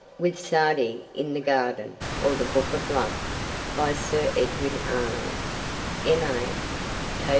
With Sa'di in the Garden; or The Book of Love. By Sir Edwin Arnold, M.A.